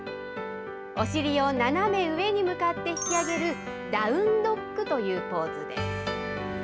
お尻を斜め上に向かって引き上げる、ダウンドッグというポーズです。